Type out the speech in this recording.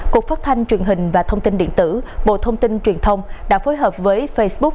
cục phát thanh truyền hình và thông tin điện tử bộ thông tin truyền thông đã phối hợp với facebook